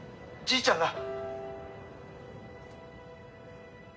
じいちゃんが！」